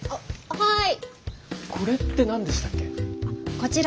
はい。